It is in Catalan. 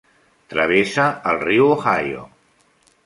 Travessa el riu Ohio.